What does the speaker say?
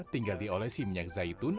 tinggal diolesi minyak zaitun